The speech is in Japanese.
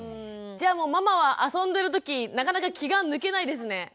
じゃあもうママは遊んでる時なかなか気が抜けないですね。